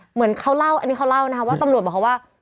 เหมือนเขาเล่าอันนี้เขาเล่านะคะว่าตำรวจบอกเขาว่า